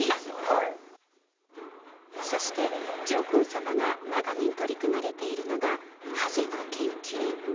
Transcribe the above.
そして、上皇さまが長年、取り組まれているのが、ハゼの研究。